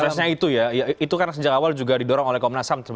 prosesnya itu ya itu kan sejak awal juga didorong oleh komnas ham